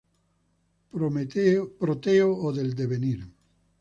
Proteo o del devenir".